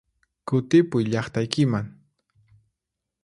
Kutipuy llaqtaykiman!